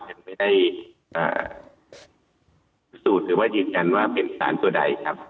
ยังไม่ได้พิสูจน์หรือว่ายืนยันว่าเป็นสารตัวใดครับ